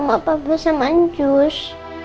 mama apa bahasa manjus